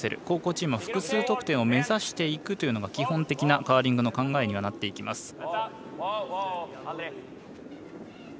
後攻チームは複数得点を目指していくのが基本的なカーリングの考えにはなっていきます。